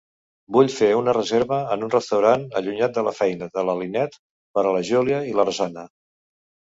Vull fer una reserva en un restaurant allunyat de la feina de la Lynette per a la Julia i la Rosanna.